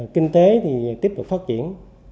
kinh tế thì tiếp tục phát triển